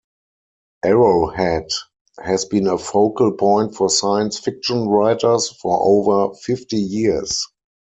Arrowhead has been a focal point for science fiction writers for over fifty years.